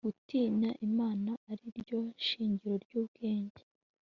gutinya imana, ari ryo shingiro ry'ubwenge